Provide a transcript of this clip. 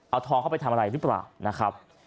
เอาทองเข้าไปทำอะไรหรือเปล่านะครับ